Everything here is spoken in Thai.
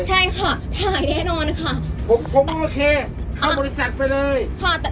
ใช่ค่ะถ่ายแน่นอนค่ะผมผมก็โอเคเอาบริษัทไปเลยค่ะแต่